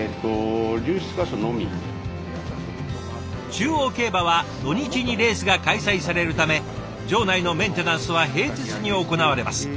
中央競馬は土日にレースが開催されるため場内のメンテナンスは平日に行われます。